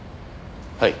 はい。